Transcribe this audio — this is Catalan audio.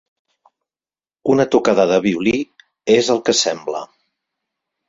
Una tocada de violí, és el que sembla.